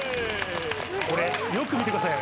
これよく見てください